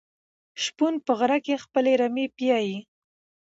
شپون په غره کې خپلې رمې پيايي.